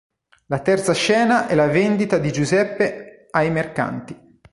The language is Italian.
La terza scena è la vendita di Giuseppe ai mercanti.